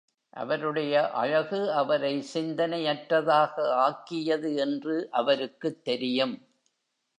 அவருடைய அழகு அவரை சிந்தனையற்றதாக ஆக்கியது என்று அவருக்குத் தெரியும்.